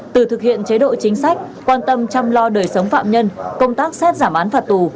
từ thực hiện chế độ chính sách quan tâm chăm lo đời sống phạm nhân công tác xét giảm án phạt tù